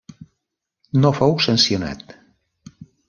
No fou sancionat.